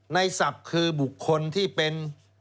ศัพท์คือบุคคลที่เป็น